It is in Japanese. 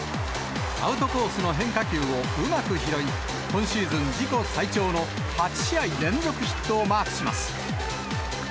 アウトコースの変化球をうまく拾い、今シーズン、自己最長の８試合連続ヒットをマークします。